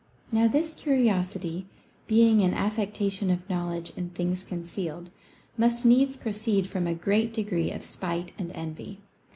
Now this curiosity, being an affectation of knowledge in things concealed, must needs proceed from a great degree of spite and envy.